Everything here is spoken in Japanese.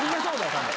多分。